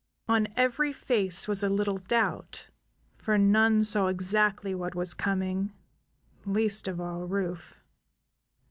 On every face was a little doubt, for none saw exactly what was coming, least of all Rufe.